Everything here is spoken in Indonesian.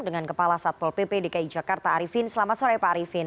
dengan kepala satpol pp dki jakarta arifin selamat sore pak arifin